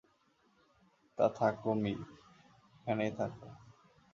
তা থাকো মি, এইখানেই থাকো।